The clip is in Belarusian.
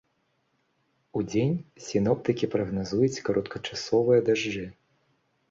Удзень сіноптыкі прагназуюць кароткачасовыя дажджы.